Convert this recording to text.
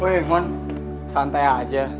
weh emang santai aja